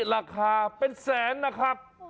ราคาเป็นแสนนะครับ